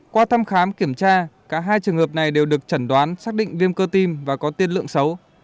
qua thăm khám kiểm tra cả hai trường hợp này đều được chẩn đoán xác định viêm cơ tim và có tiên lượng xấu